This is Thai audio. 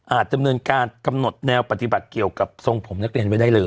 จำเนินการกำหนดแนวปฏิบัติเกี่ยวกับทรงผมนักเรียนไว้ได้เลย